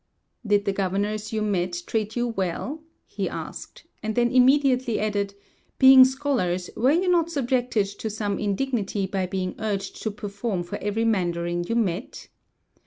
"Did the governors you met treat you well?" he asked; and then immediately added: "Being scholars, were you not subjected to some indignity by being urged to perform for every mandarin you met?"